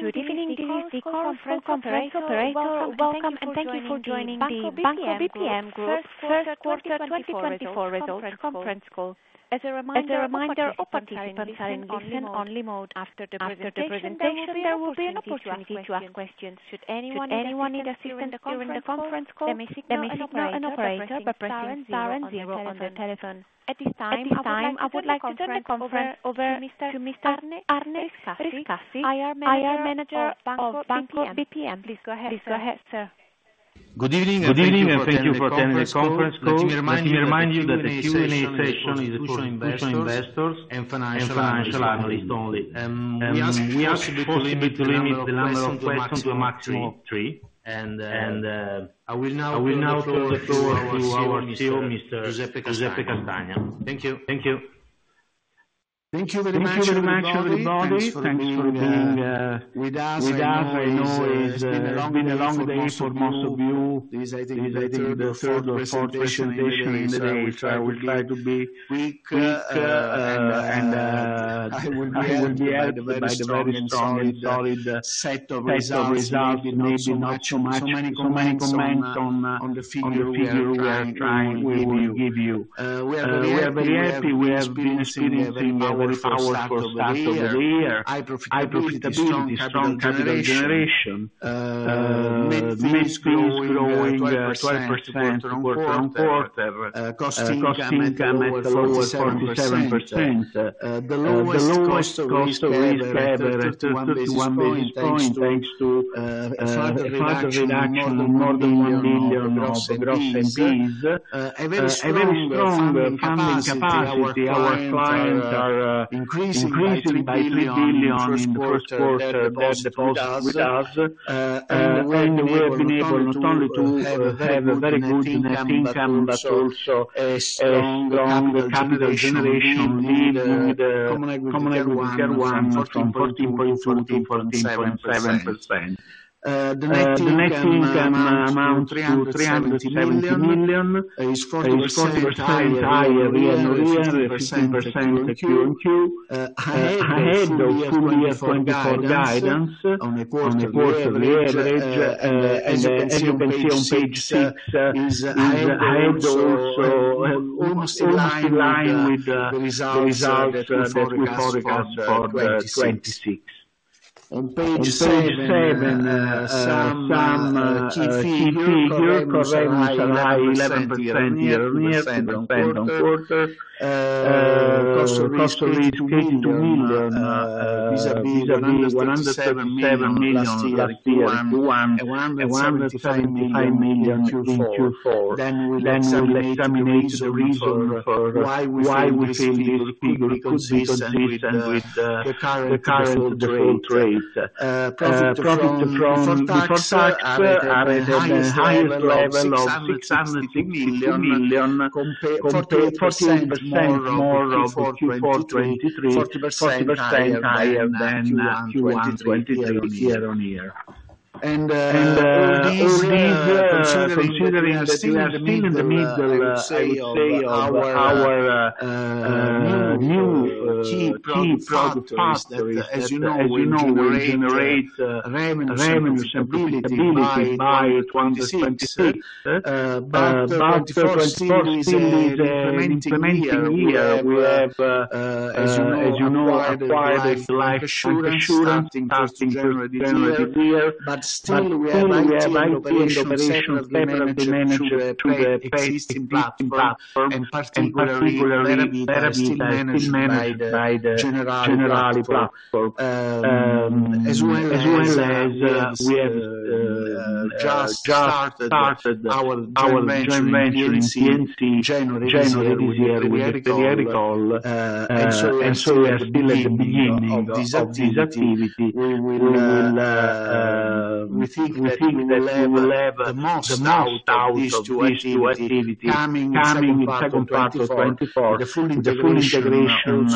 Good evening, this is the Banco BPM conference operator. Welcome, and thank you for joining the Banco BPM Group first quarter 2024 results conference call. As a reminder, all participants are in listen-only mode. After the presentation, there will be an opportunity to ask questions. Should anyone need assistance during the conference call, let me signal an operator by pressing star and zero on your telephone. At this time, I would like to turn the conference over to Mr. Arne Riscassi, IR Manager of Banco BPM. Please go ahead, sir. Good evening, and thank you for attending the conference call. Let me remind you that the Q&A session is for investors and financial analysts only. We ask you possibly to limit the number of questions to a maximum of three. And, I will now turn the floor over to our CEO, Mr. Giuseppe Castagna. Thank you. Thank you. Thank you very much, everybody. Thanks for being with us. I know it's been a long day for most of you. This, I think, is the third or fourth presentation in the day, which I will try to be quick, and I will be added by the very strong and solid set of results, maybe not so much, so many comments on, on the figure we are trying to give you. We are very happy, we have been experiencing a very powerful start of the year. High profitability, strong capital generation, Net fees is growing, 20% quarter on quarter, cost-to-income at lower 47%. The lowest cost of risk ever, 31 basis points, thanks to further reduction of more than 1 billion of gross NPAs. A very strong funding capacity. Our clients are increasing by 3 billion in the first quarter, their deposits with us. And we have been able not only to have a very good net income, but also a strong capital generation, leaving the Common Equity Tier 1 from 14.4%-14.7%. The net income amount to 370 million, is 40% higher year-on-year, and 15% Q-on-Q. Ahead of full year 2024 guidance on a quarterly average, and as you can see on page 6, is ahead also, almost in line with the, the results, that we forecast for, 2026. On page 7, some, key figure. Revenue rise 11% year-on-year and on quarter. Cost of risk EUR 82 million, vis-a-vis EUR 167 million last year, Q1, and 175 million in Q4. Then we will examine the reason for why we feel this figure could be consistent with, the current default rate. Profit before tax are at the highest level of 660 million, compare 40% more of the Q4 2023, 40% higher than, Q1 2023 year-on-year. These, considering that we are still in the middle, I would say, of our new key product factories, that as you know, will generate revenue stability by 2026. But for 2024 still is an implementing year. We have, as you know, acquired Life Insurance starting first operative year. But still, we have its operations separately managed to the existing platform, and particularly, Vera Vita is managed by the Generali platform. As well as, we have just started our joint venture in payments, Numia, January this year, with BCC Iccrea, and so it's still at the beginning of this activity. We will, we think that we will have the most out of these two activity, coming in second part of 2024, the full integration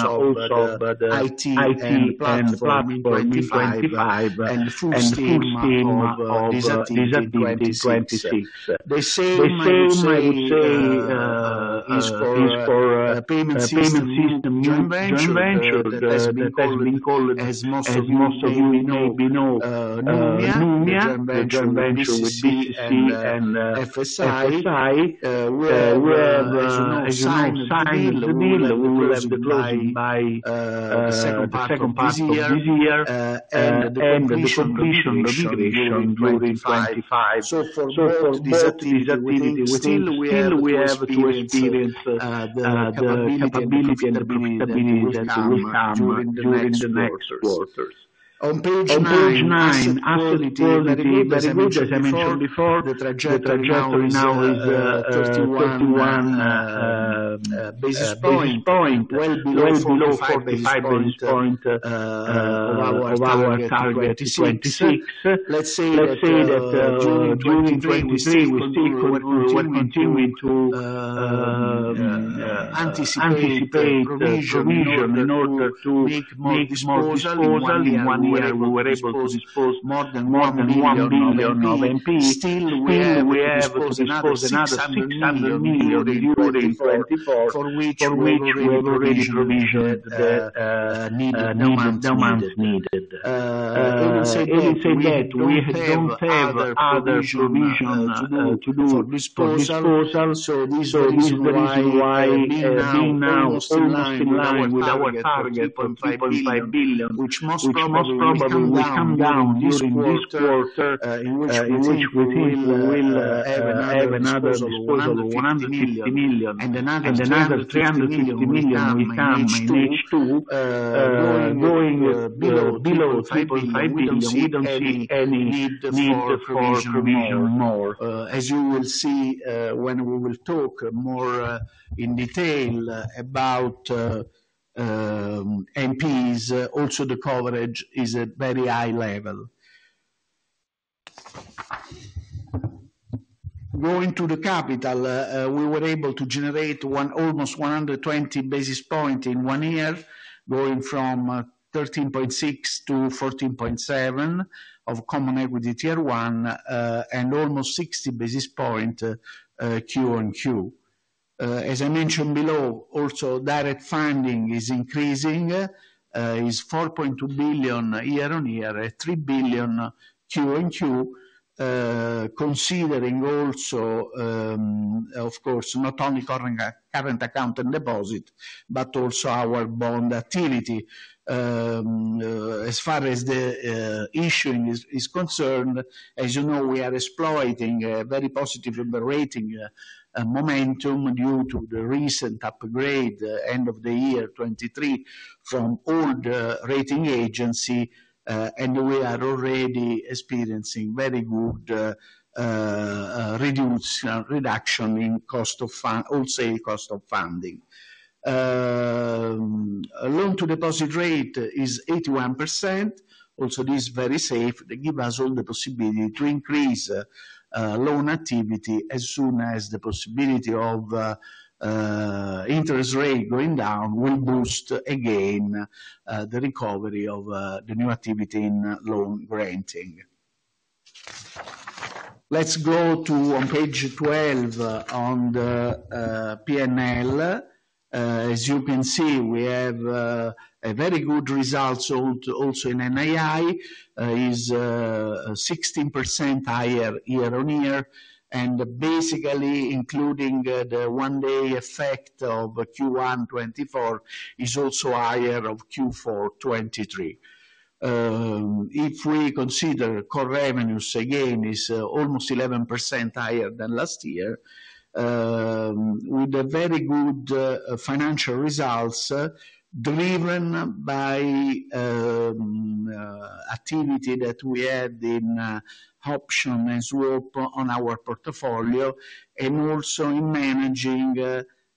of the IT and platform in 2025, and full scheme of, of, this activity in 2026. The same, I would say, is for, payment system new joint venture, that has been called, as most of you maybe know, Numia, the joint venture with BCC and, FSI. We have, as you know, signed the deal, and we will have the closing by, the second part of this year, and the completion will be during 2025. So for both these activity, within still we have to experience, the, the capability and the stability that will come during the next quarters. On page 9, asset quality, very good, as I mentioned before, the trajectory now is 31 basis point, well below 45 basis point of our target 2026. Let's say that during 2023, we still continue to Anticipate provision in order to make more disposal. In one year, we were able to dispose more than 1 billion NPL. Still, we have to dispose another 600 million euros during 2024, for which we have already provisioned the needed amounts, needed. Having said that, we don't have other provision to do for disposal. So this is the reason why, being now almost in line with our target of 3.5 billion, which most probably will come down during this quarter, in which we think we will have another disposal of 150 million, and another 350 million will come in H2, going below 3.5 billion. We don't see any need for provision more. As you will see, when we will talk more in detail about NPLs, also the coverage is at very high level. Going to the capital, we were able to generate almost 120 basis points in one year, going from 13.6%-14.7% of Common Equity Tier 1, and almost 60 basis points Q-over-Q. As I mentioned below, also direct funding is increasing. It's 4.2 billion year-over-year, 3 billion Q-over-Q. Considering also, of course, not only current account and deposit, but also our bond activity. As far as the issuing is concerned, as you know, we are exploiting a very positive rating momentum due to the recent upgrade, end of the year 2023, from all the rating agency, and we are already experiencing very good reduction in cost of funding. Overall cost of funding. Loan-to-deposit rate is 81%. Also, this is very safe. They give us all the possibility to increase loan activity as soon as the possibility of interest rate going down will boost again the recovery of the new activity in loan granting. Let's go on to page 12 on the P&L. As you can see, we have a very good results also in NII, is 16% higher year-on-year, and basically, including the one-day effect of Q1 2024, is also higher of Q4 2023. If we consider core revenues, again, is almost 11% higher than last year, with a very good financial results driven by activity that we had in option and swap on our portfolio, and also in managing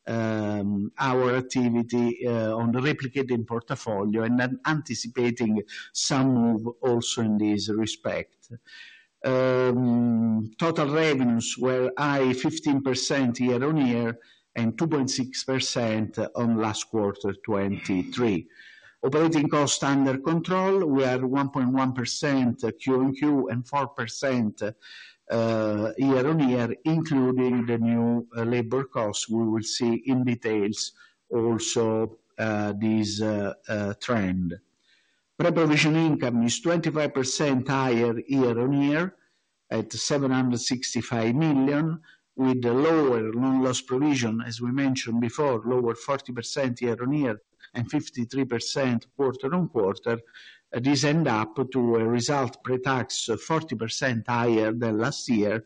our activity on the replicating portfolio, and then anticipating some move also in this respect. Total revenues were 15% year-on-year, and 2.6% on last quarter, 2023. Operating costs under control were 1.1% Q-on-Q, and 4% year-on-year, including the new labor cost. We will see in details also, this, trend. Pre-provision income is 25% higher year-on-year, at 765 million, with a lower loan loss provision, as we mentioned before, lower 40% year-on-year, and 53% quarter-on-quarter. This end up to a result pre-tax, 40% higher than last year.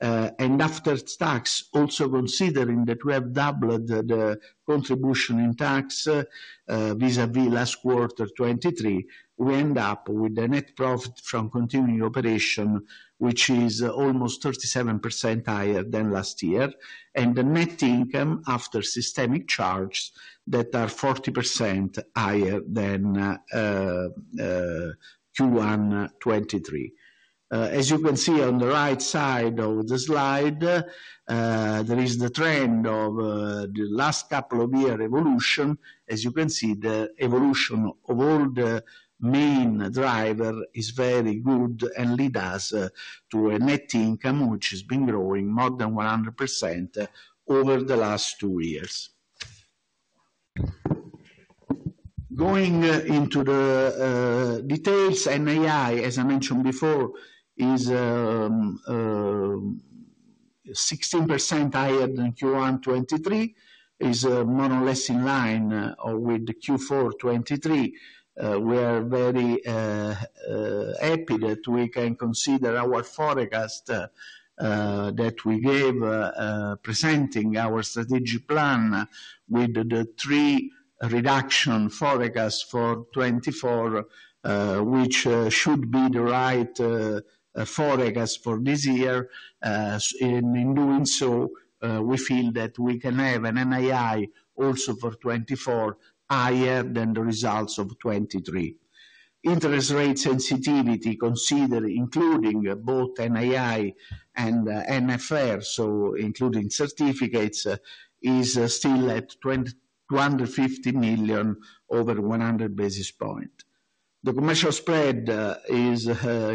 And after tax, also considering that we have doubled the, the contribution in tax, vis-à-vis last quarter, 2023, we end up with a net profit from continuing operation, which is almost 37% higher than last year, and the net income after systemic charges that are 40% higher than, Q1 2023. As you can see on the right side of the slide, there is the trend of, the last couple of years evolution. As you can see, the evolution of all the main driver is very good and lead us to a net income, which has been growing more than 100% over the last two years. Going into the details, NII, as I mentioned before, is 16% higher than Q1 2023, is more or less in line with the Q4 2023. We are very happy that we can consider our forecast that we gave presenting our strategic plan with the 3% reduction forecast for 2024, which should be the right forecast for this year. In doing so, we feel that we can have an NII also for 2024, higher than the results of 2023. Interest rate sensitivity, considering including both NII and NSFR, so including certificates, is still at 250 million over 100 basis points. The commercial spread is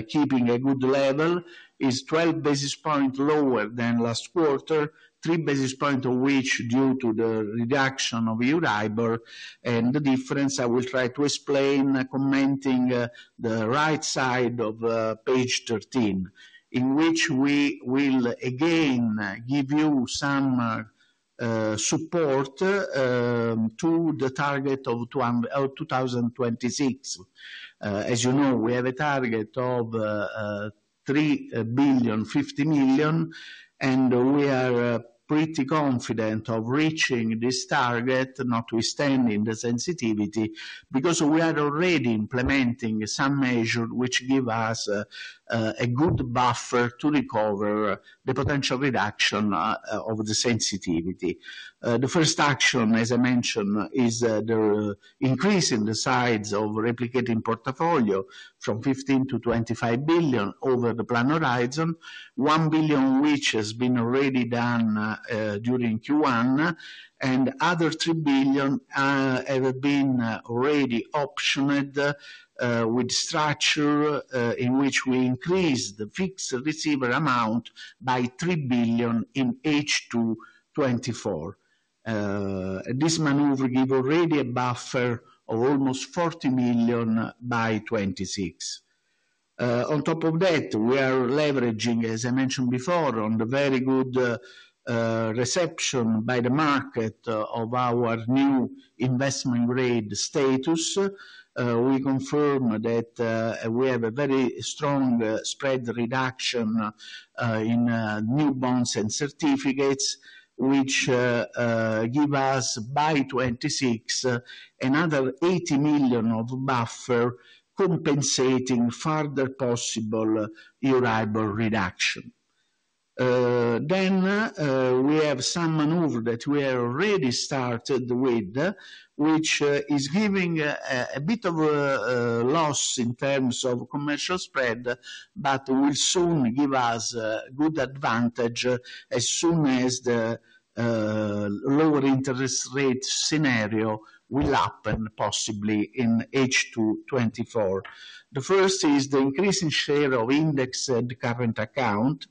keeping a good level. It's 12 basis points lower than last quarter, 3 basis points of which due to the reduction of Euribor, and the difference I will try to explain commenting the right side of page 13, in which we will again give you some support to the target of 2026. As you know, we have a target of 3.05 billion, and we are pretty confident of reaching this target, notwithstanding the sensitivity, because we are already implementing some measure which give us a good buffer to recover the potential reduction of the sensitivity. The first action, as I mentioned, is the increase in the size of replicating portfolio from 15 to 25 billion over the plan horizon. 1 billion, which has been already done, during Q1, and other 3 billion have been already optioned with structure in which we increased the fixed receivable amount by 3 billion in H2 2024. This maneuver give already a buffer of almost 40 million by 2026. On top of that, we are leveraging, as I mentioned before, on the very good reception by the market of our new investment grade status. We confirm that we have a very strong spread reduction in new bonds and certificates, which give us by 2026, another 80 million of buffer compensating further possible Euribor reduction. Then, we have some maneuver that we have already started with, which is giving a bit of loss in terms of commercial spread, but will soon give us good advantage as soon as the lower interest rate scenario will happen, possibly in H2 2024. The first is the increase in share of indexed current account.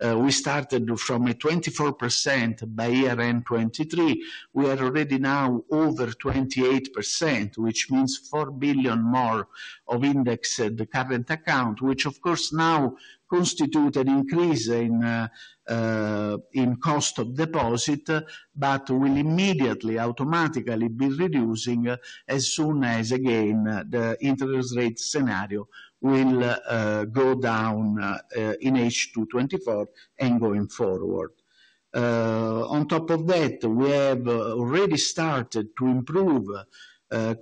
We started from a 24% by year-end 2023. We are already now over 28%, which means 4 billion more of indexed current account, which of course now constitute an increase in cost of deposit, but will immediately, automatically be reducing as soon as, again, the interest rate scenario will go down in H2 2024 and going forward. On top of that, we have already started to improve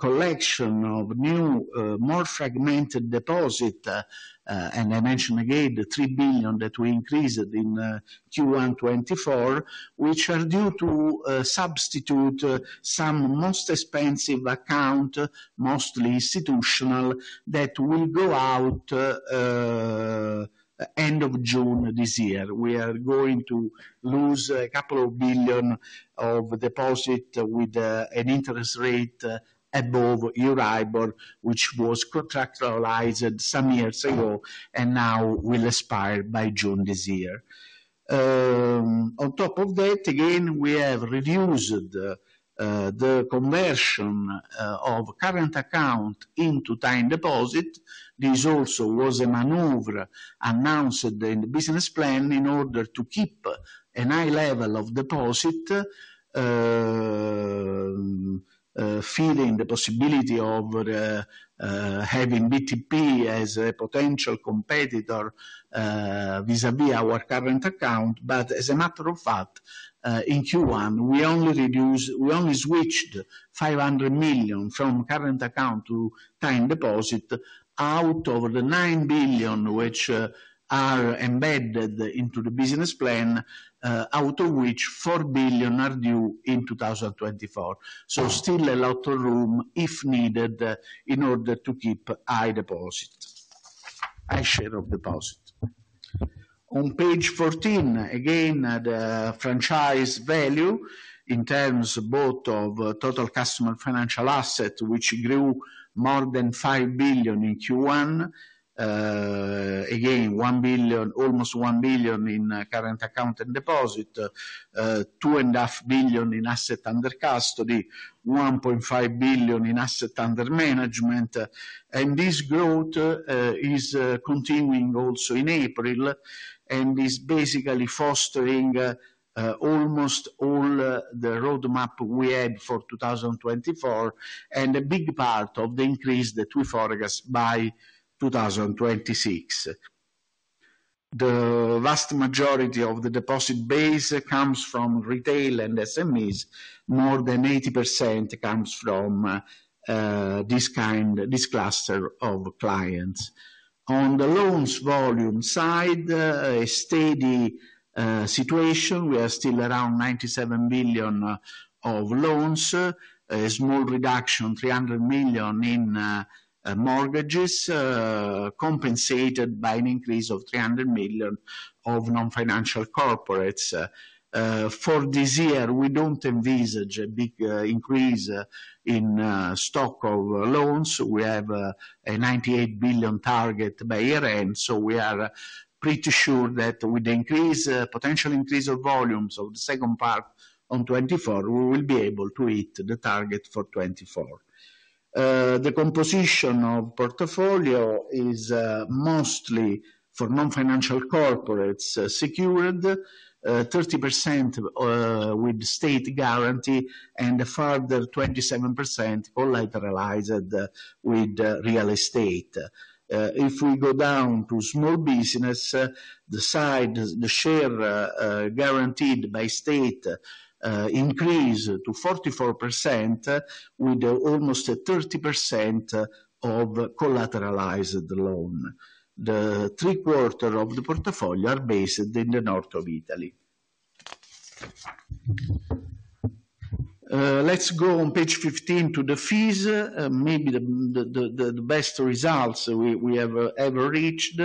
collection of new, more fragmented deposit, and I mentioned again, the 3 billion that we increased in Q1 2024, which are due to substitute some most expensive account, mostly institutional, that will go out end of June this year. We are going to lose a couple of billion of deposit with an interest rate above Euribor, which was contractualized some years ago and now will expire by June this year. On top of that, again, we have reduced the conversion of current account into time deposit. This also was a maneuver announced in the business plan in order to keep a high level of deposit, fearing the possibility of having BTP as a potential competitor vis-à-vis our current account. But as a matter of fact, in Q1, we only switched 500 million from current account to time deposit out of the 9 billion, which are embedded into the business plan, out of which 4 billion are due in 2024. So still a lot of room, if needed, in order to keep high deposit, high share of deposit. On page 14, again, the franchise value in terms both of total customer financial asset, which grew more than 5 billion in Q1. Again, one billion, almost 1 billion in current account and deposit, 2.5 billion in asset under custody, 1.5 billion in asset under management. And this growth is continuing also in April, and is basically fostering almost all the roadmap we had for 2024, and a big part of the increase that we forecast by 2026. The vast majority of the deposit base comes from retail and SMEs, more than 80% comes from this kind, this cluster of clients. On the loans volume side, a steady situation. We are still around 97 billion of loans, a small reduction, 300 million in mortgages, compensated by an increase of 300 million of non-financial corporates. For this year, we don't envisage a big increase in stock of loans. We have a 98 billion target by year-end, so we are pretty sure that with the increase, potential increase of volumes of the second part on 2024, we will be able to hit the target for 2024. The composition of portfolio is mostly for non-financial corporates, secured, 30%, with state guarantee, and a further 27% collateralized with real estate. If we go down to small business, the side, the share guaranteed by state increased to 44%, with almost 30% of collateralized loan. Three-quarters of the portfolio are based in the North of Italy. Let's go on page 15 to the fees. Maybe the best results we have ever reached,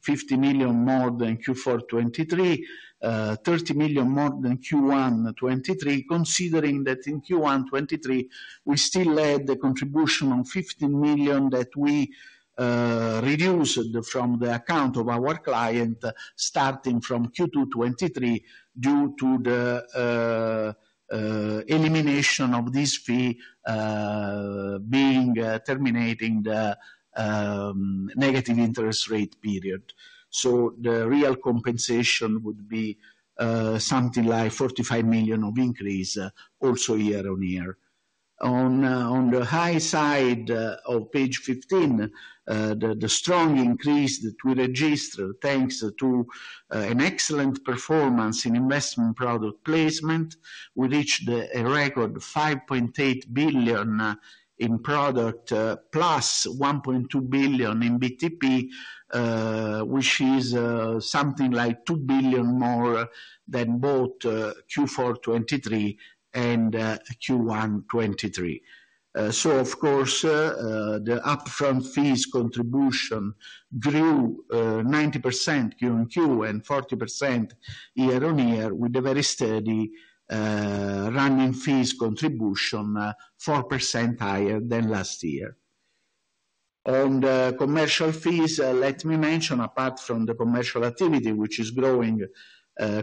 50 million more than Q4 2023, 30 million more than Q1 2023, considering that in Q1 2023, we still had the contribution of 15 million that we reduced from the account of our client, starting from Q2 2023, due to the elimination of this fee, being terminating the negative interest rate period. So the real compensation would be something like 45 million of increase, also year-on-year. On the high side of page 15, the strong increase that we registered, thanks to an excellent performance in investment product placement, we reached a record 5.8 billion in product, +1.2 billion in BTP, which is something like 2 billion more than both Q4 2023 and Q1 2023. So of course, the upfront fees contribution grew 90% Q-on-Q and 40% year-on-year, with a very steady running fees contribution 4% higher than last year. On the commercial fees, let me mention, apart from the commercial activity, which is growing,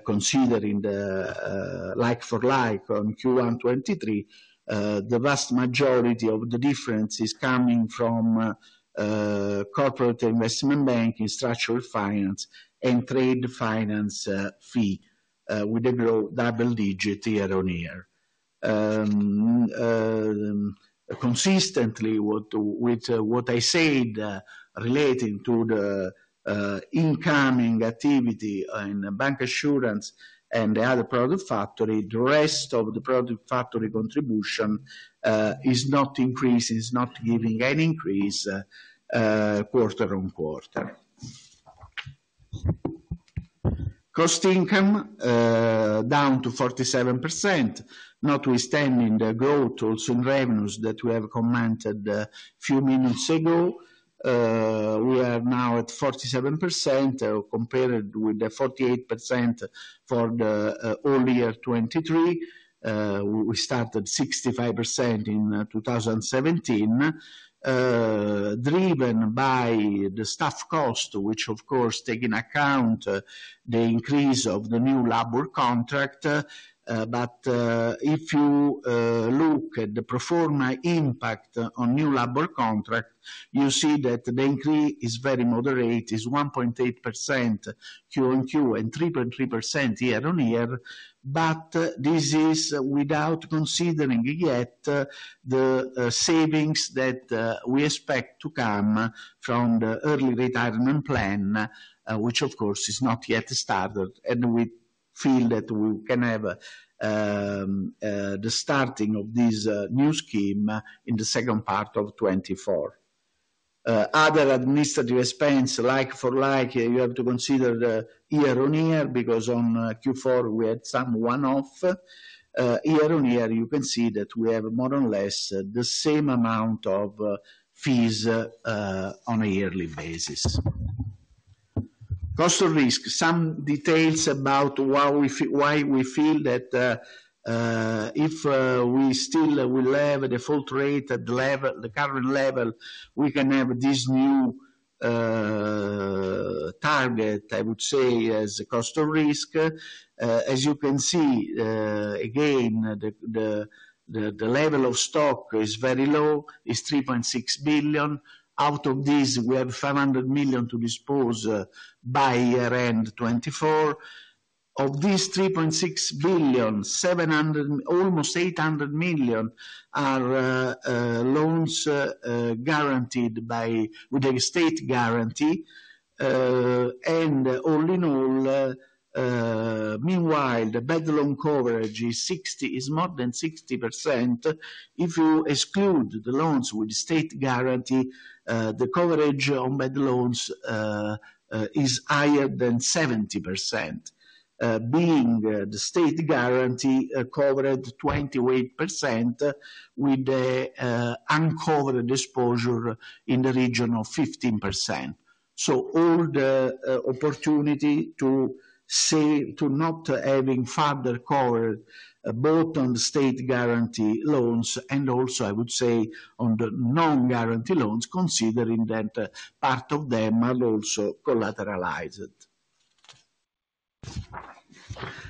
considering the like for like on Q1 2023, the vast majority of the difference is coming from corporate investment banking, structured finance, and trade finance fees with a growth double-digit year-on-year. Consistently with what I said, relating to the incoming activity in bancassurance and the other product factory, the rest of the product factory contribution is not increasing, is not giving any increase quarter-on-quarter. Cost-to-income, down to 47%, notwithstanding the growth also in revenues that we have commented a few minutes ago, we are now at 47%, compared with the 48% for the all year 2023. We started 65% in 2017, driven by the staff cost, which of course take in account the increase of the new labor contract. But, if you look at the pro forma impact on new labor contract, you see that the increase is very moderate, is 1.8% Q-on-Q, and 3.3% year-on-year. But this is without considering yet the savings that we expect to come from the early retirement plan, which of course is not yet started, and we feel that we can have the starting of this new scheme in the second part of 2024. Other administrative expenses, like for like, you have to consider the year-on-year, because on Q4 we had some one-off. Year-on-year, you can see that we have more or less the same amount of fees on a yearly basis. Cost of risk, some details about why we feel, why we feel that if we still will have the default rate at the level, the current level, we can have this new target, I would say, as a cost of risk. As you can see, again, the level of stock is very low, is 3.6 billion. Out of this, we have 500 million to dispose by year-end 2024. Of these 3.6 billion, 700 million, almost 800 million are loans guaranteed with the state guarantee. And all in all, meanwhile, the bad loan coverage is 60%, is more than 60%. If you exclude the loans with state guarantee, the coverage on bad loans is higher than 70%. Being the state guarantee covered 28% with the uncovered exposure in the region of 15%. So all the opportunity to say, to not having further cover, both on the state guarantee loans and also, I would say, on the non-guarantee loans, considering that part of them are also collateralized.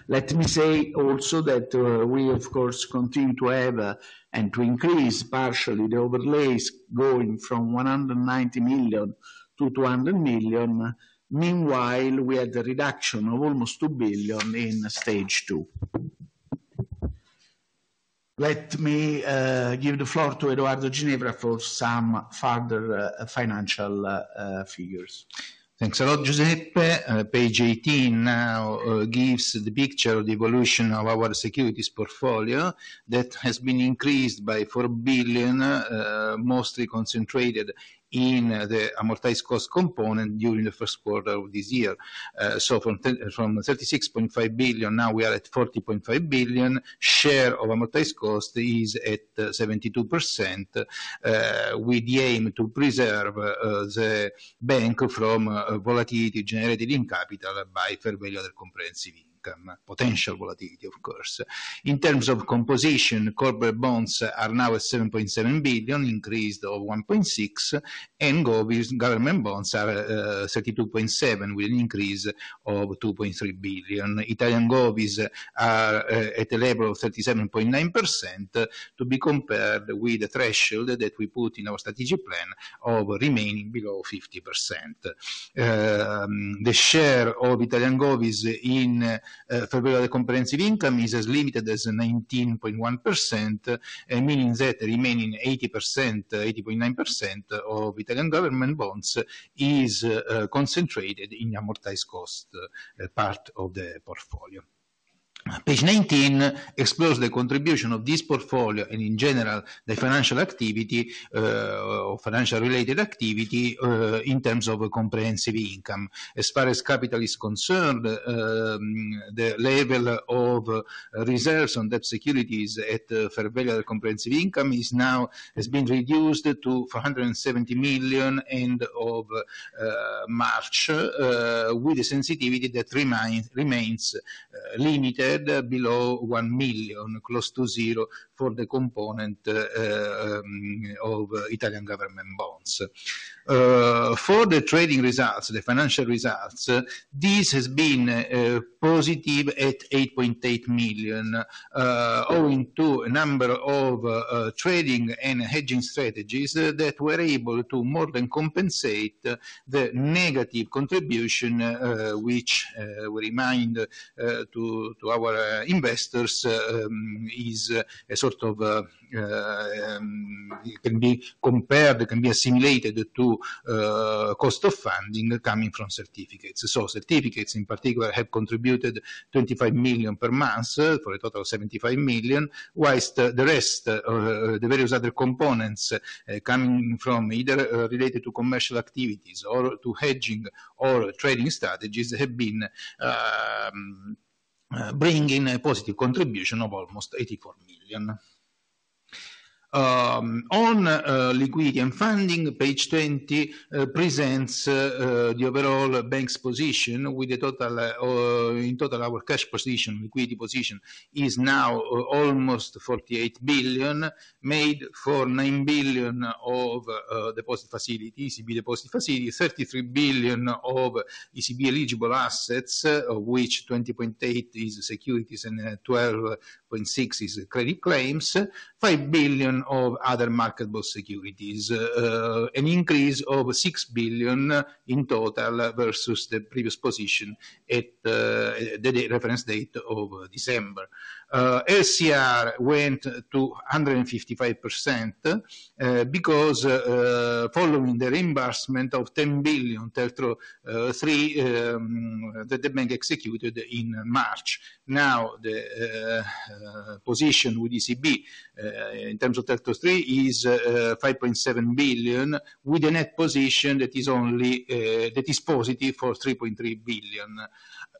Let me say also that, we, of course, continue to have, and to increase partially the overlays, going from 190 million-200 million. Meanwhile, we had a reduction of almost 2 billion in Stage 2. Let me give the floor to Edoardo Ginevra for some further financial figures. Thanks a lot, Giuseppe. Page 18 now gives the picture of the evolution of our securities portfolio, that has been increased by 4 billion, mostly concentrated in the amortized cost component during the first quarter of this year. So from 36.5 billion, now we are at 40.5 billion. Share of amortized cost is at 72%, with the aim to preserve the bank from volatility generated in capital by fair value other comprehensive income. Potential volatility, of course. In terms of composition, corporate bonds are now at 7.7 billion, increased of 1.6 billion, and govies, government bonds, are 32.7 billion, with an increase of 2.3 billion. Italian govies are at a level of 37.9%, to be compared with the threshold that we put in our strategic plan of remaining below 50%. The share of Italian govies in fair value comprehensive income is as limited as 19.1%, and meaning that the remaining 80%, 80.9% of Italian government bonds is concentrated in amortized cost part of the portfolio. Page 19 explores the contribution of this portfolio, and in general, the financial activity or financial-related activity in terms of comprehensive income. As far as capital is concerned, the level of reserves on debt securities at fair value comprehensive income is now, has been reduced to 470 million end of March, with a sensitivity that remains limited below 1 million, close to zero for the component of Italian government bonds. For the trading results, the financial results, this has been positive at 8.8 million, owing to a number of trading and hedging strategies that were able to more than compensate the negative contribution, which we remind to our investors, is a sort of can be compared, can be assimilated to cost of funding coming from certificates. So certificates, in particular, have contributed 25 million per month, for a total of 75 million, whilst the rest, the various other components, coming from either, related to commercial activities or to hedging or trading strategies, have been, bringing a positive contribution of almost 84 million. On liquidity and funding, page 20 presents the overall bank's position, with the total, in total, our cash position, liquidity position, is now almost 48 billion, made for 9 billion of deposit facilities, ECB deposit facilities, 33 billion of ECB-eligible assets, of which 20.8 billion is securities and 12.6 billion is credit claims, 5 billion of other marketable securities. An increase of 6 billion in total versus the previous position at the reference date of December. LCR went to 155%, because following the reimbursement of 10 billion TLTRO III that the bank executed in March. Now, the position with ECB in terms of TLTRO III is 5.7 billion, with a net position that is only that is positive for 3.3 billion.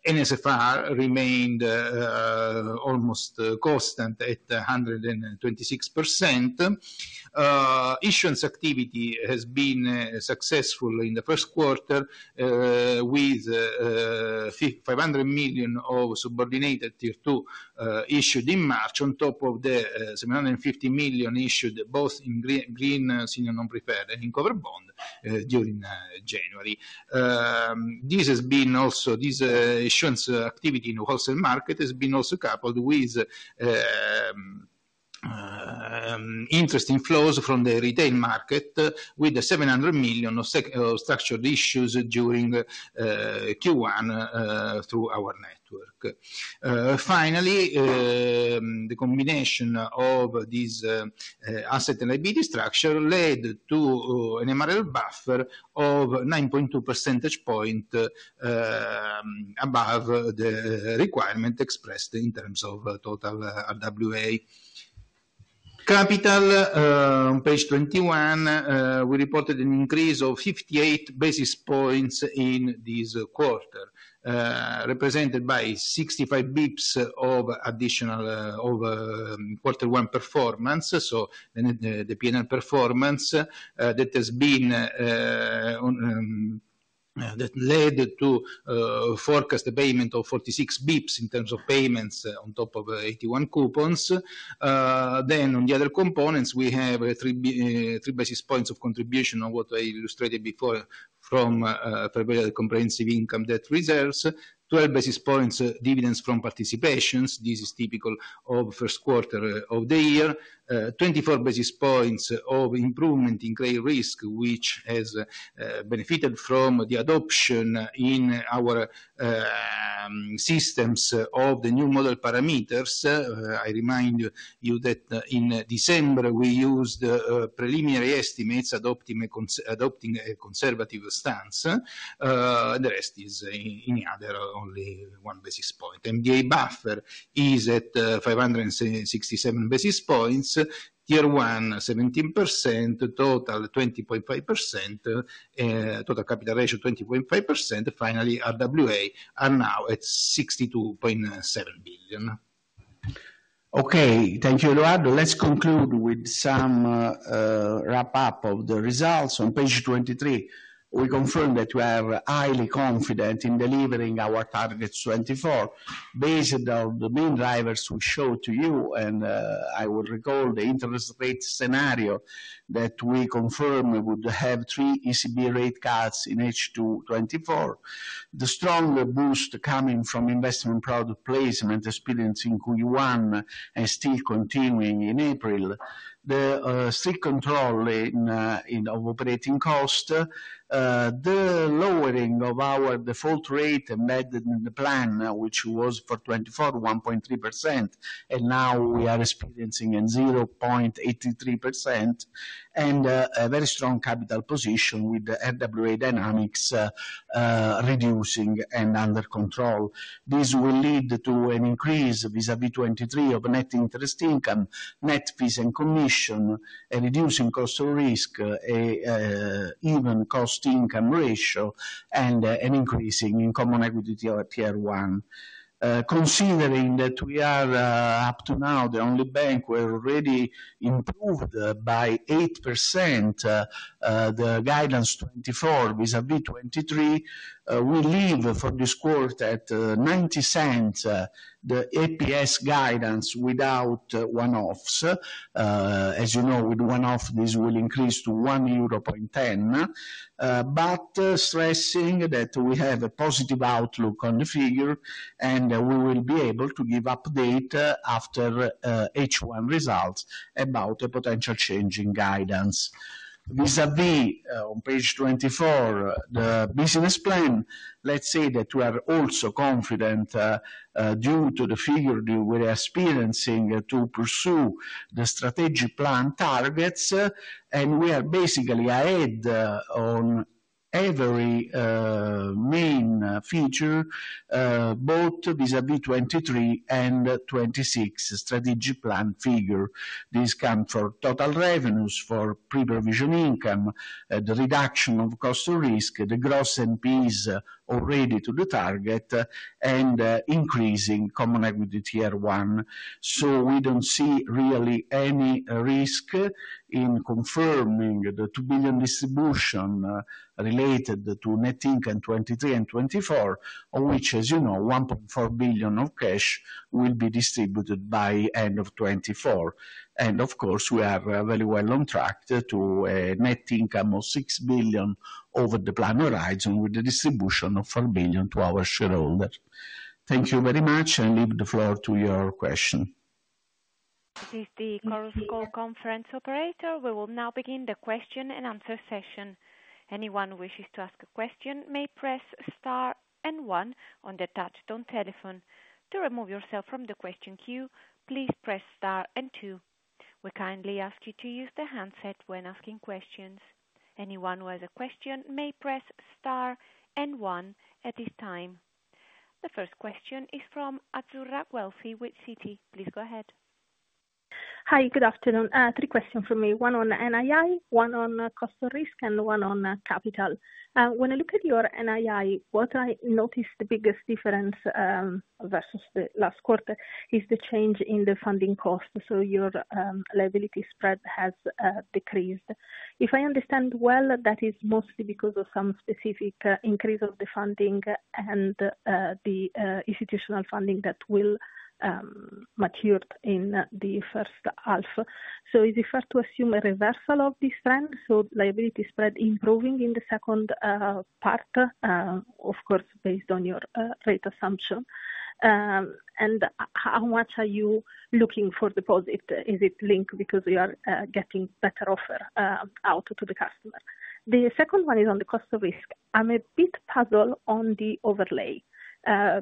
NSFR remained almost constant at 126%. Issuance activity has been successful in the first quarter, with 500 million of subordinated Tier 2 issued in March, on top of the 750 million issued both in green senior non-preferred and in covered bond during January. This has been also this issuance activity in the wholesale market has been also coupled with... Interesting flows from the retail market with 700 million of structured issues during Q1 through our network. Finally, the combination of these asset and liability structure led to an MREL buffer of 9.2 percentage points above the requirement expressed in terms of total RWA. Capital on page 21, we reported an increase of 58 basis points in this quarter, represented by 65 basis points of additional quarter one performance. So the P&L performance that has been on that led to forecast the payment of 46 basis points in terms of payments on top of AT1 coupons. Then on the other components, we have 3 basis points of contribution on what I illustrated before from comprehensive income debt reserves, 12 basis points dividends from participations. This is typical of first quarter of the year. 24 basis points of improvement in credit risk, which has benefited from the adoption in our systems of the new model parameters. I remind you that in December, we used preliminary estimates, adopting a conservative stance. The rest is in other, only 1 basis point. MDA buffer is at 567 basis points. Tier 1, 17%, total 20.5%, total capital ratio, 20.5%. Finally, RWA are now at 62.7 billion. Okay, thank you, Edoardo. Let's conclude with some wrap up of the results. On page 23, we confirm that we are highly confident in delivering our targets 2024, based on the main drivers we showed to you. And I would recall the interest rate scenario that we confirm we would have three ECB rate cuts in H2 2024. The stronger boost coming from investment product placement experience in Q1, and still continuing in April. The strict control in operating cost, the lowering of our default rate embedded in the plan, which was for 2024, 1.3%, and now we are experiencing a 0.83%, and a very strong capital position with the RWA dynamics reducing and under control. This will lead to an increase vis-à-vis 2023 of net interest income, net fees and commission, a reducing cost of risk, even cost-to-income ratio, and an increasing in Common Equity Tier 1. Considering that we are, up to now, the only bank, we already improved by 8%, the guidance 2024 vis-à-vis 2023 will leave for this quarter at 0.90, the EPS guidance without one-offs. As you know, with one-off, this will increase to 1.10 euro. But stressing that we have a positive outlook on the figure, and we will be able to give update after H1 results about a potential change in guidance. Vis-à-vis, on page 24, the business plan, let's say that we are also confident, due to the figure we were experiencing, to pursue the strategic plan targets. We are basically ahead on every main feature, both vis-à-vis 2023 and 2026 strategic plan figure. This come for total revenues, for pre-provision income, the reduction of cost of risk, the gross NPE already to the target, and increasing Common Equity Tier 1. So we don't see really any risk in confirming the 2 billion distribution related to net income 2023 and 2024, of which, as you know, 1.4 billion of cash will be distributed by end of 2024. Of course, we are very well on track to a net income of 6 billion over the planning horizon, with the distribution of 4 billion to our shareholder. Thank you very much, and leave the floor to your question. This is the Chorus Call conference operator. We will now begin the question and answer session. Anyone who wishes to ask a question may press star and one on the touchtone telephone. To remove yourself from the question queue, please press star and two. We kindly ask you to use the handset when asking questions. Anyone who has a question may press star and one at this time. The first question is from Azzurra Guelfi with Citi. Please go ahead. Hi, good afternoon. Three questions for me. One on NII, one on cost of risk, and one on capital. When I look at your NII, what I notice the biggest difference versus the last quarter is the change in the funding cost, so your liability spread has decreased. If I understand well, that is mostly because of some specific increase of the funding and the institutional funding that will mature in the first half. So is it fair to assume a reversal of this trend, so liability spread improving in the second part, of course, based on your rate assumption? And how much are you looking for deposit? Is it linked because you are getting better offer out to the customer? The second one is on the cost of risk. I'm a bit puzzled on the overlay,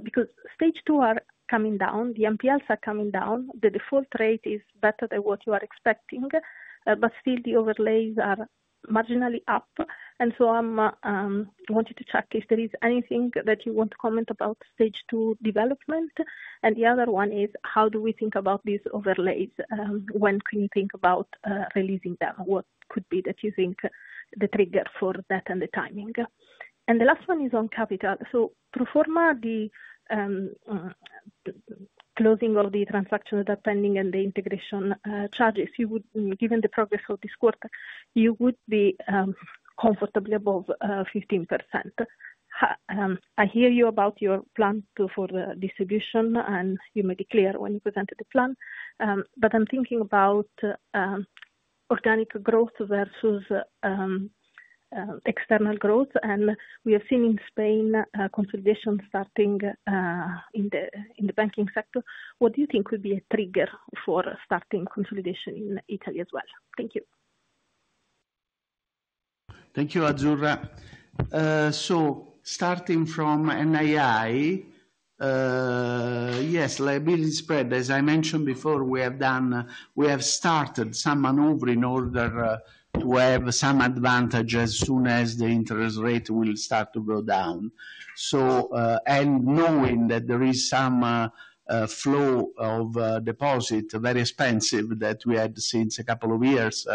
because Stage 2 are coming down, the NPLs are coming down, the default rate is better than what you are expecting, but still the overlays are marginally up. And so I'm wanted to check if there is anything that you want to comment about Stage 2 development. And the other one is: How do we think about these overlays, when can you think about releasing them? What could be that you think the trigger for that and the timing? And the last one is on capital. So pro forma, the closing of the transaction that are pending and the integration charges, you would, given the progress of this quarter, you would be comfortably above 15%. I hear you about your plan to, for the distribution, and you made it clear when you presented the plan, but I'm thinking about, organic growth versus, external growth, and we have seen in Spain, consolidation starting, in the, in the banking sector. What do you think would be a trigger for starting consolidation in Italy as well? Thank you. Thank you, Azzurra. So starting from NII, yes, liability spread, as I mentioned before, we have started some maneuver in order to have some advantage as soon as the interest rate will start to go down. So and knowing that there is some flow of deposit, very expensive, that we had since a couple of years,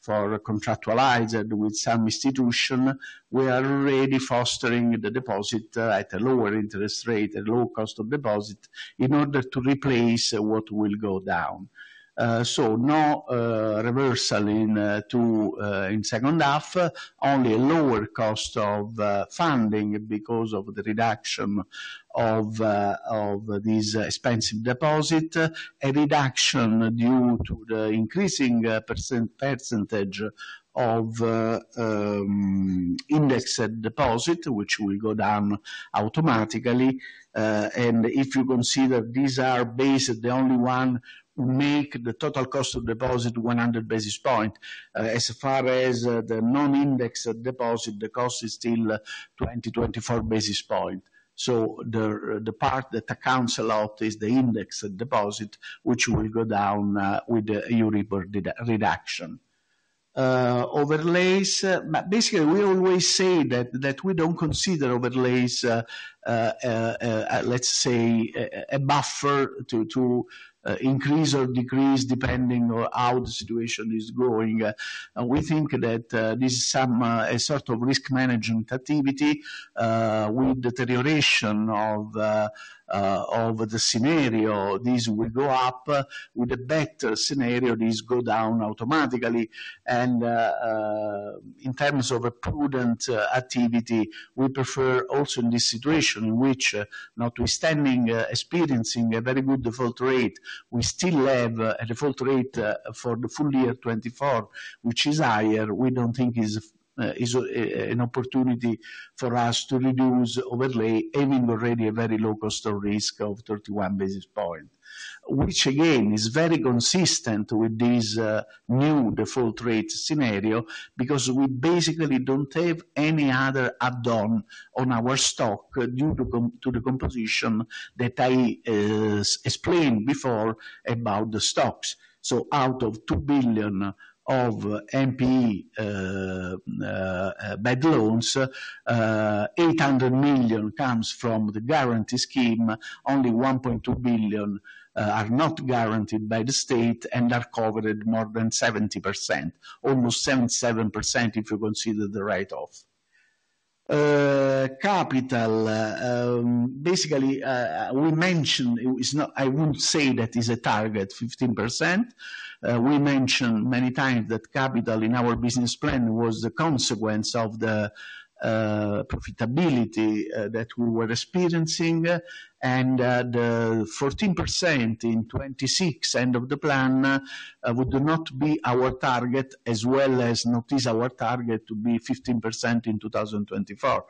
for contractualized with some institution, we are already fostering the deposit at a lower interest rate, at low cost of deposit, in order to replace what will go down. So no reversal in second half, only a lower cost of funding because of the reduction of this expensive deposit. A reduction due to the increasing percentage of indexed deposit, which will go down automatically. And if you consider these are based, the only one who make the total cost of deposit 100 basis points, as far as the non-indexed deposit, the cost is still 20-24 basis points. So the part that accounts a lot is the indexed deposit, which will go down with the Euribor reduction. Overlays, basically, we always say that we don't consider overlays, let's say, a buffer to increase or decrease, depending on how the situation is going. We think that this is some sort of risk management activity, with deterioration of the scenario, this will go up. With a better scenario, this go down automatically. In terms of a prudent activity, we prefer also in this situation, in which notwithstanding experiencing a very good default rate, we still have a default rate for the full year 2024, which is higher. We don't think is an opportunity for us to reduce overlay, having already a very low cost of risk of 31 basis points. Which again is very consistent with this new default rate scenario, because we basically don't have any other add-on on our stock, due to the composition that I explained before about the stocks. So out of 2 billion of NPE bad loans, 800 million comes from the guarantee scheme, only 1.2 billion are not guaranteed by the state and are covered more than 70%, almost 77%, if you consider the write-off. Capital, basically, we mentioned it's not... I wouldn't say that is a target, 15%. We mentioned many times that capital in our business plan was a consequence of the profitability that we were experiencing, and the 14% in 2026, end of the plan, would not be our target, as well as not is our target to be 15% in 2024.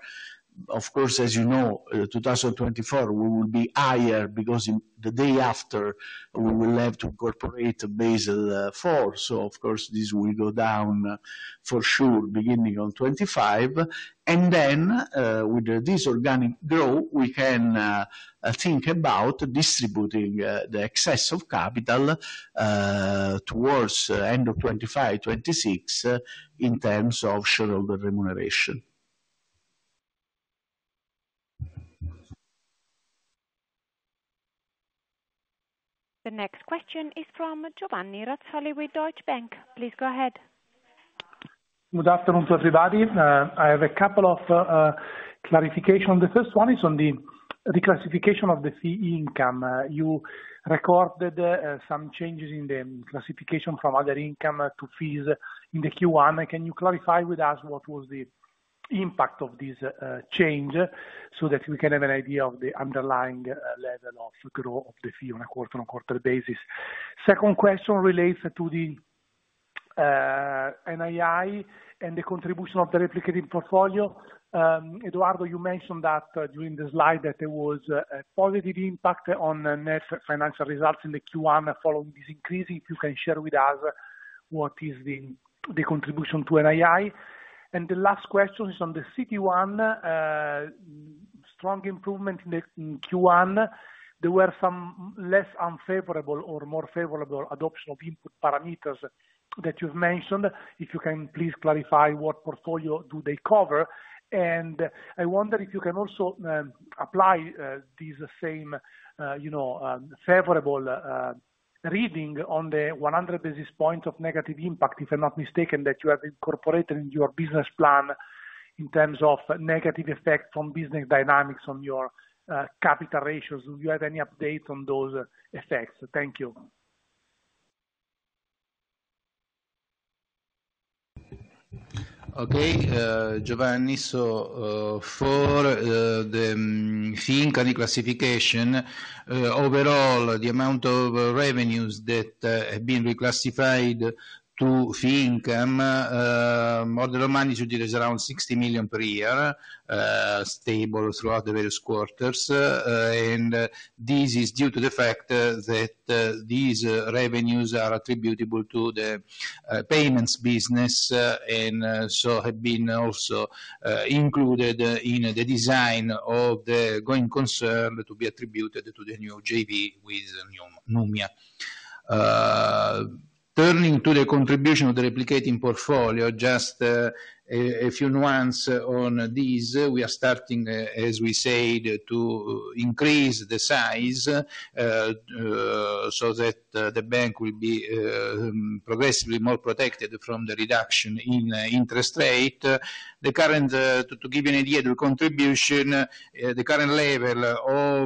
Of course, as you know, 2024, we will be higher because in the day after, we will have to incorporate Basel IV. So of course, this will go down for sure, beginning on 2025. And then, with this organic growth, we can think about distributing the excess of capital towards end of 2025, 2026, in terms of shareholder remuneration. The next question is from Giovanni Razzoli with Deutsche Bank. Please go ahead. Good afternoon to everybody. I have a couple of clarification. The first one is on the reclassification of the fee income. You recorded some changes in the classification from other income to fees in the Q1. Can you clarify with us what was the impact of this change, so that we can have an idea of the underlying level of growth of the fee on a quarter-on-quarter basis? Second question relates to NII and the contribution of the replicating portfolio. Edoardo, you mentioned that during the slide that there was a positive impact on the net financial results in the Q1 following this increase. If you can share with us what is the contribution to NII? The last question is on the CET1, strong improvement in the in Q1, there were some less unfavorable or more favorable adoption of input parameters that you've mentioned. If you can please clarify what portfolio do they cover? And I wonder if you can also apply these same, you know, favorable reading on the 100 basis points of negative impact, if I'm not mistaken, that you have incorporated in your business plan in terms of negative effect on business dynamics on your capital ratios. Do you have any update on those effects? Thank you. Okay, Giovanni, so, for the fee income declassification, overall, the amount of revenues that have been reclassified to fee income, model management is around 60 million per year, stable throughout the various quarters. And this is due to the fact that these revenues are attributable to the payments business, and so have been also included in the design of the going concern to be attributed to the new JV with Numia. Turning to the contribution of the replicating portfolio, just a few nuances on this. We are starting, as we said, to increase the size, so that the bank will be progressively more protected from the reduction in interest rate. The current, to give you an idea, the contribution, the current level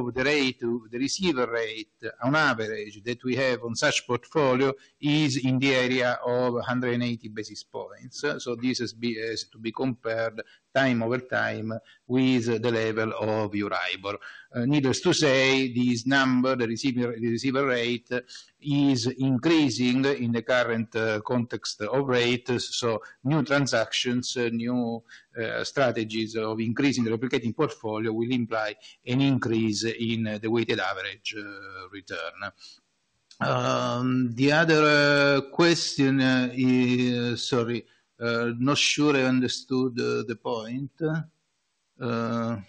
of the rate, of the receiver rate on average that we have on such portfolio is in the area of 180 basis points. So this has to be compared over time with the level of Euribor. Needless to say, this number, the receiver rate, is increasing in the current context of rates. So new transactions, new strategies of increasing the replicating portfolio will imply an increase in the weighted average return. The other question is... Sorry, not sure I understood the point. I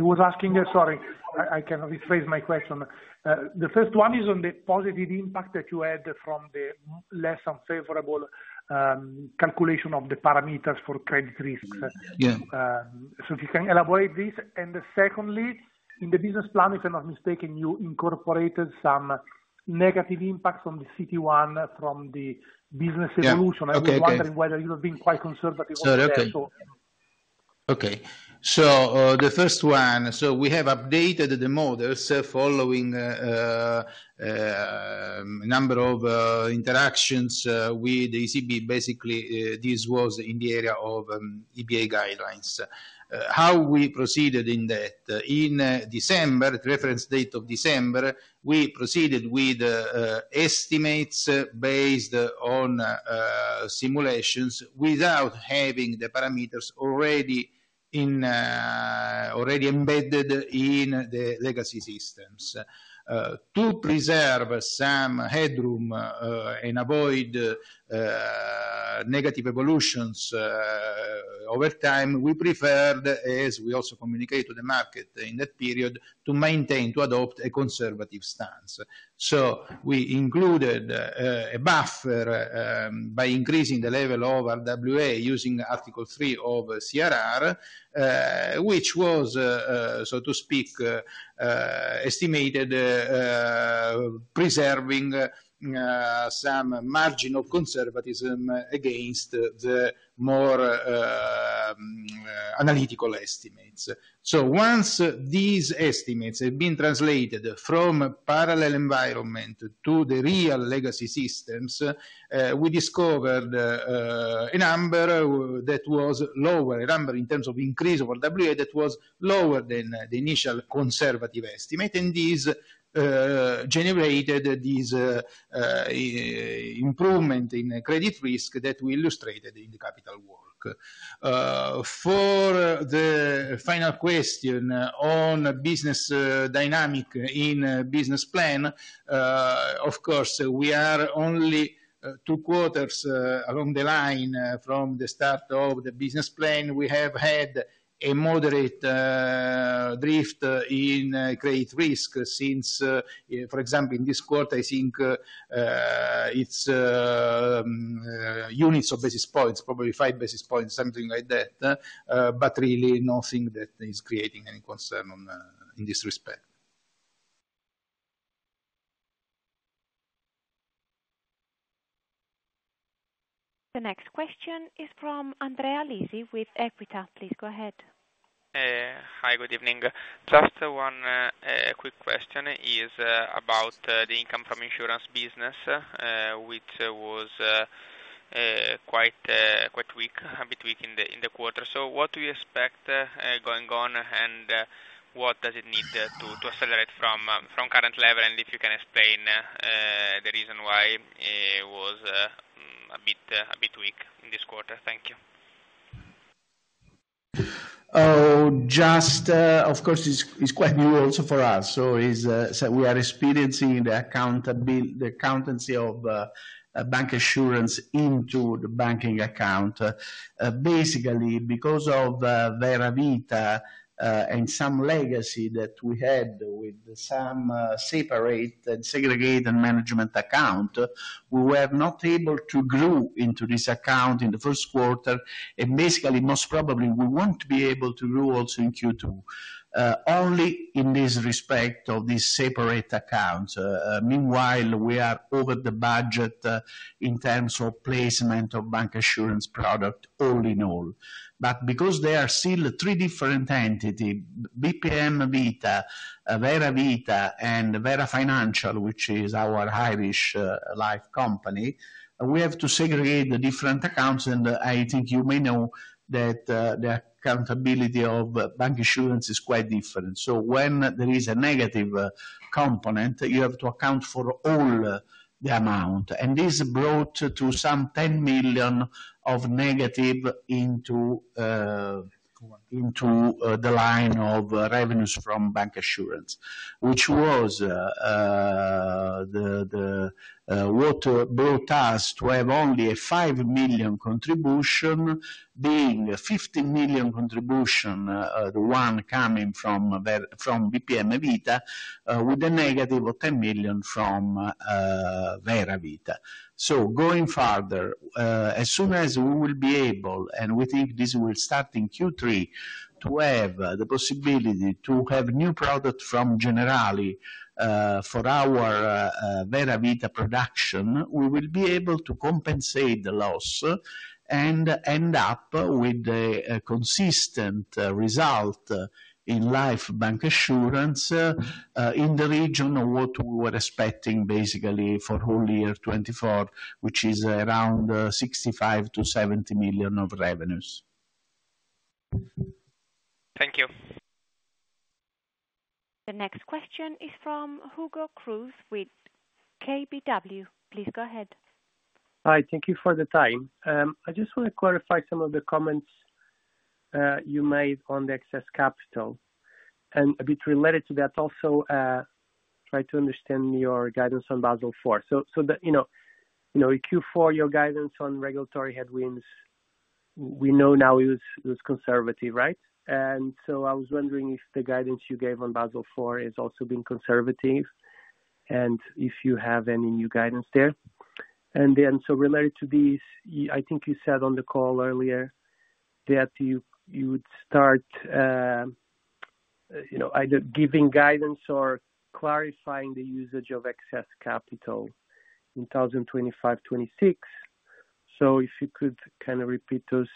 was asking, sorry, I can rephrase my question. The first one is on the positive impact that you had from the less unfavorable calculation of the parameters for credit risks. Yeah. So if you can elaborate this. Secondly, in the business plan, if I'm not mistaken, you incorporated some negative impacts on the CET1 from the business evolution. Yeah. Okay, okay. I was wondering whether you were being quite conservative on that, so- Sorry, okay. Okay, so, the first one, so we have updated the models following a number of interactions with ECB. Basically, this was in the area of EBA guidelines. How we proceeded in that? In December, reference date of December, we proceeded with estimates based on simulations without having the parameters already in, already embedded in the legacy systems. To preserve some headroom and avoid negative evolutions over time, we preferred, as we also communicate to the market in that period, to maintain, to adopt a conservative stance. So we included a buffer by increasing the level of RWA, using Article 3 of CRR, which was so to speak estimated preserving some margin of conservatism against the more analytical estimates. So once these estimates had been translated from a parallel environment to the real legacy systems, we discovered a number that was lower, a number in terms of increase of RWA, that was lower than the initial conservative estimate. And this generated this improvement in credit risk that we illustrated in the capital work. For the final question on business dynamic in business plan, of course, we are only two quarters along the line from the start of the business plan. We have had a moderate drift in credit risk since, for example, in this quarter, I think it's units of basis points, probably 5 basis points, something like that. But really nothing that is creating any concern on in this respect. The next question is from Andrea Lisi with Equita. Please go ahead. Hi, good evening. Just one quick question is about the income from insurance business, which was quite weak, a bit weak in the quarter. So what do you expect going on, and what does it need to accelerate from current level? And if you can explain the reason why it was a bit weak in this quarter. Thank you. Just, of course, it's quite new also for us. So we are experiencing the accountancy of bancassurance into the banking account. Basically, because of Vera Vita and some legacy that we had with some separate and segregated management account, we were not able to grow into this account in the first quarter, and basically, most probably, we won't be able to grow also in Q2. Only in this respect of these separate accounts. Meanwhile, we are over the budget in terms of placement of bancassurance product, all in all. But because they are still three different entity, BPM Vita, Vera Vita, and Vera Financial, which is our Irish life company, we have to segregate the different accounts, and I think you may know that, the accountability of bancassurance is quite different. So when there is a negative component, you have to account for all the amount. And this brought to some 10 million of negative into the line of revenues from bancassurance, which was what brought us to have only a 5 million contribution, being a 50 million contribution, the one coming from BPM Vita, with a negative of 10 million from Vera Vita. So going further, as soon as we will be able, and we think this will start in Q3, to have the possibility to have new product from Generali for our Vera Vita production, we will be able to compensate the loss, and end up with a consistent result in life bancassurance, in the region of what we were expecting, basically, for whole year 2024, which is around 65 million-70 million of revenues. Thank you. The next question is from Hugo Cruz with KBW. Please go ahead. Hi, thank you for the time. I just want to clarify some of the comments you made on the excess capital. And a bit related to that also, try to understand your guidance on Basel IV. So, you know, in Q4, your guidance on regulatory headwinds, we know now it was conservative, right? And so I was wondering if the guidance you gave on Basel IV is also being conservative, and if you have any new guidance there. And then, related to this, I think you said on the call earlier that you would start, you know, either giving guidance or clarifying the usage of excess capital in 2025, 2026. So if you could kind of repeat those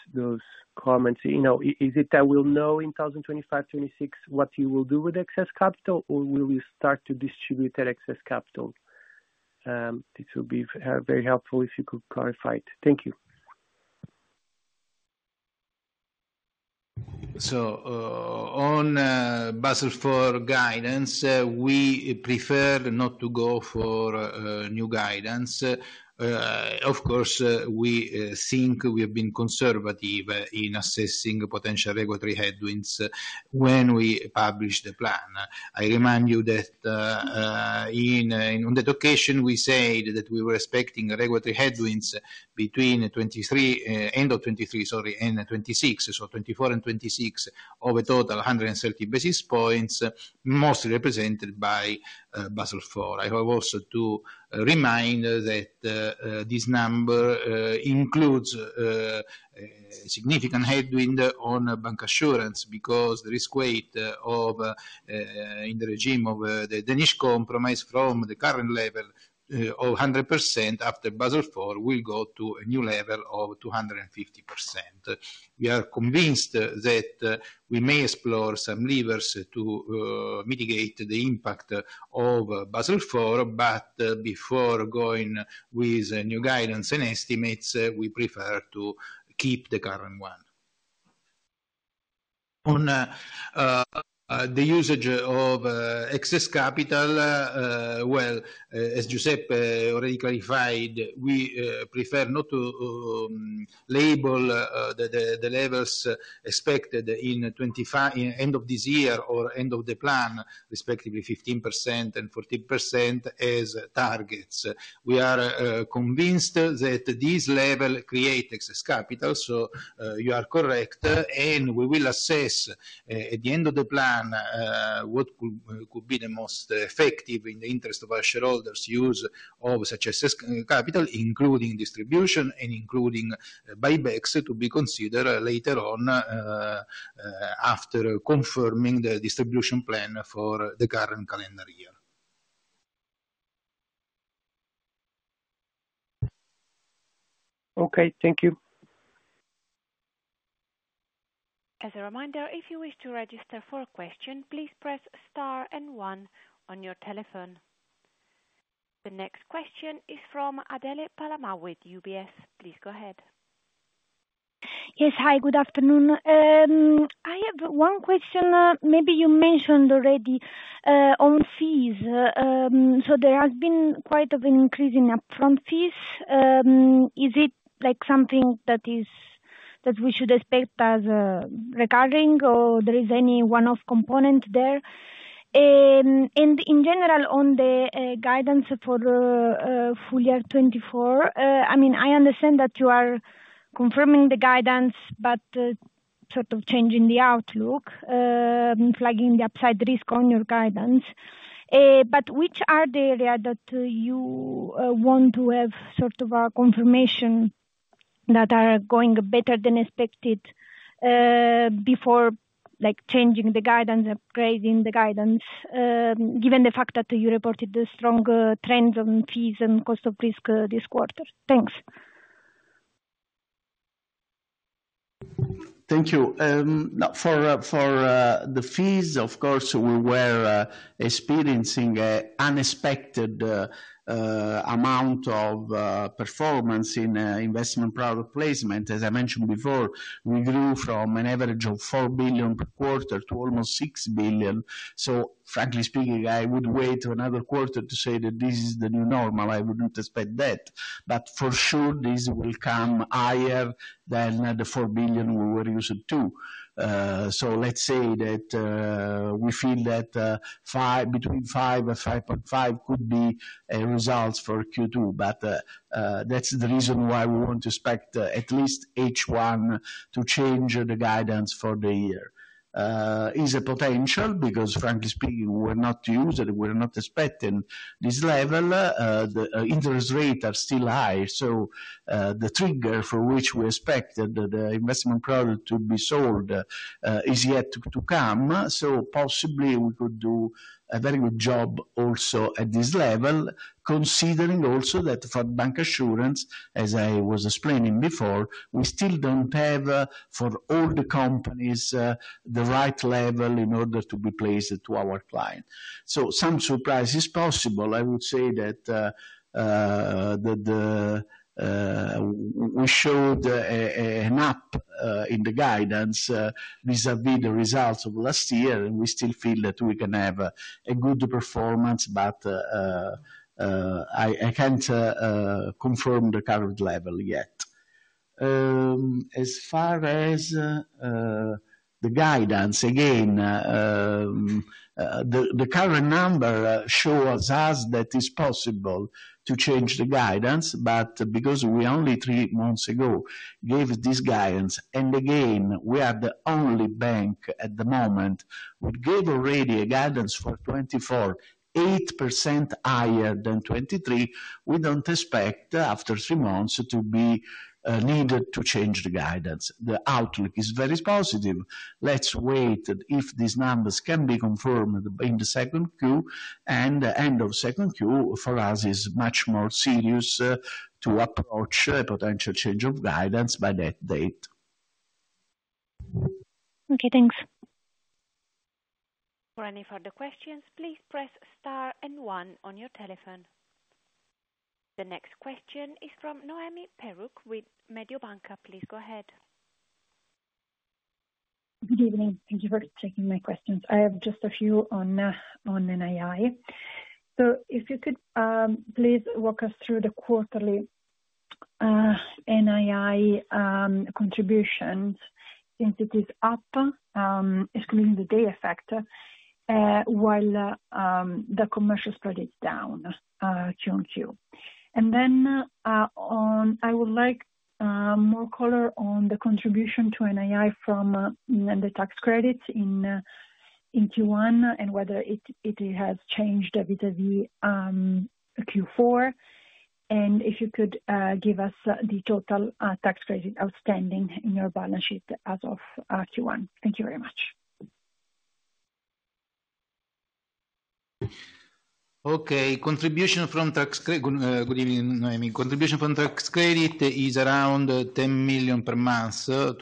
comments. You know, is it that we'll know in 2025, 2026, what you will do with excess capital, or will we start to distribute that excess capital? This will be very helpful if you could clarify it. Thank you. So, on Basel IV guidance, we prefer not to go for new guidance. Of course, we think we have been conservative in assessing potential regulatory headwinds when we published the plan. I remind you that, on that occasion, we said that we were expecting regulatory headwinds between 2023, end of 2023, sorry, end of 2026, so 2024 and 2026, of a total 130 basis points, mostly represented by Basel IV. I have also to remind that this number includes significant headwind on bancassurance because the risk weight in the regime of the Danish Compromise from the current level of 100% after Basel IV will go to a new level of 250%. We are convinced that we may explore some levers to mitigate the impact of Basel IV, but before going with new guidance and estimates, we prefer to keep the current one. On the usage of excess capital, well, as Giuseppe already clarified, we prefer not to label the levels expected in 2025. At end of this year or end of the plan, respectively, 15% and 14% as targets. We are convinced that this level create excess capital, so you are correct, and we will assess at the end of the plan what could be the most effective in the interest of our shareholders use of such excess capital, including distribution and including buybacks to be considered later on after confirming the distribution plan for the current calendar year. Okay, thank you. ... As a reminder, if you wish to register for a question, please press star and one on your telephone. The next question is from Adele Palamà with UBS. Please go ahead. Yes. Hi, good afternoon. I have one question, maybe you mentioned already, on fees. So there has been quite of an increase in upfront fees. Is it like something that is, that we should expect as, regarding, or there is any one-off component there? And in general, on the, guidance for the, full year 2024, I mean, I understand that you are confirming the guidance, but, sort of changing the outlook, flagging the upside risk on your guidance. But which are the area that you, want to have sort of a confirmation that are going better than expected, before, like, changing the guidance, upgrading the guidance, given the fact that you reported the stronger trends on fees and cost of risk this quarter? Thanks. Thank you. For the fees, of course, we were experiencing an unexpected amount of performance in investment product placement. As I mentioned before, we grew from an average of 4 billion per quarter to almost 6 billion. So frankly speaking, I would wait another quarter to say that this is the new normal. I wouldn't expect that. But for sure, this will come higher than the 4 billion we were used to. So let's say that we feel that between 5 billion and 5.5 billion could be results for Q2. But that's the reason why we won't expect at least H1 to change the guidance for the year. Is a potential because frankly speaking, we're not used, we're not expecting this level. The interest rate are still high, so the trigger for which we expected the investment product to be sold is yet to come. So possibly we could do a very good job also at this level, considering also that for bancassurance, as I was explaining before, we still don't have, for all the companies, the right level in order to be placed to our client. So some surprise is possible. I would say that we showed an up in the guidance vis-à-vis the results of last year, and we still feel that we can have a good performance, but I can't confirm the current level yet. As far as the guidance, again, the current number shows us that it's possible to change the guidance, but because we only three months ago gave this guidance, and again, we are the only bank at the moment, we gave already a guidance for 2024, 8% higher than 2023. We don't expect after three months to be needed to change the guidance. The outlook is very positive. Let's wait if these numbers can be confirmed in the second Q, and end of second Q, for us, is much more serious to approach a potential change of guidance by that date. Okay, thanks. For any further questions, please press star and one on your telephone. The next question is from Noemi Peruch with Mediobanca. Please go ahead. Good evening. Thank you for taking my questions. I have just a few on NII. So if you could please walk us through the quarterly NII contributions, since it is up excluding the day effect while the commercial spread is down Q-on-Q. And then on... I would like more color on the contribution to NII from the tax credits in Q1, and whether it has changed vis-à-vis Q4. And if you could give us the total tax credit outstanding in your balance sheet as of Q1. Thank you very much. Okay. Contribution from tax credit. Good evening, Noemi. Contribution from tax credit is around 10 million per month to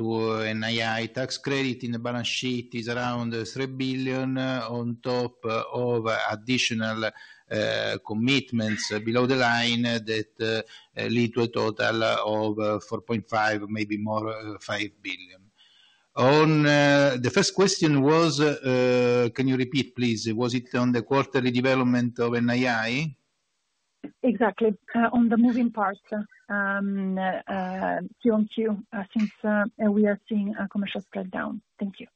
NII. Tax credit in the balance sheet is around 3 billion, on top of additional commitments below the line that lead to a total of 4.5 billion, maybe more, 5 billion. On the first question was, can you repeat, please? Was it on the quarterly development of NII? Exactly. On the moving parts, Q-on-Q, since we are seeing a commercial spread down. Thank you.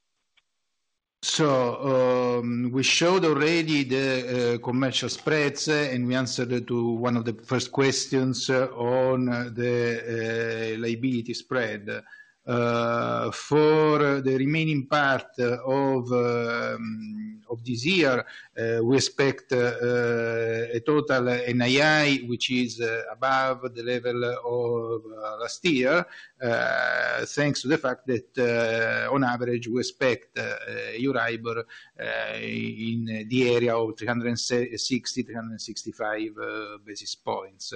We showed already the commercial spreads, and we answered to one of the first questions on the liability spread. For the remaining part of this year, we expect a total NII, which is above the level of last year, thanks to the fact that on average, we expect Euribor in the area of 365 basis points.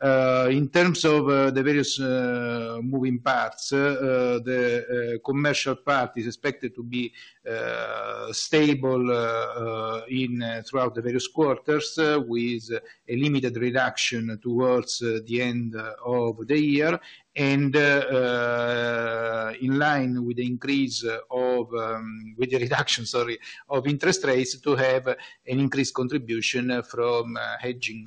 In terms of the various moving parts, the commercial part is expected to be stable throughout the various quarters, with a limited reduction towards the end of the year. In line with the increase of, with the reduction, sorry, of interest rates, to have an increased contribution from hedging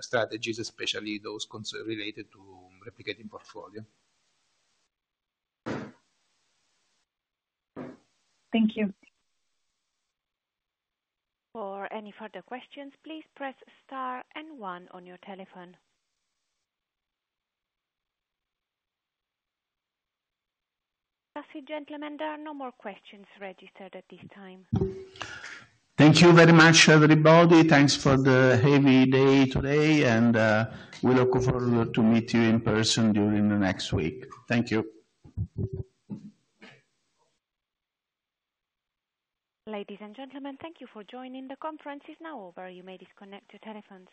strategies, especially those cons- related to replicating portfolio. Thank you. For any further questions, please press star and one on your telephone. Ladies and gentlemen, there are no more questions registered at this time. Thank you very much, everybody. Thanks for the heavy day today, and we look forward to meet you in person during the next week. Thank you. Ladies and gentlemen, thank you for joining. The conference is now over. You may disconnect your telephones.